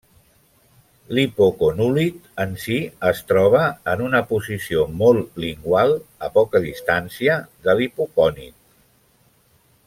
L'hipoconúlid en si es troba en una posició molt lingual, a poca distància de l'hipocònid.